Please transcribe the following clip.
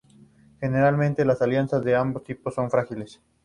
Generalmente las alianzas de ambos tipos son frágiles.